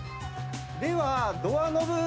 ではドアノブ。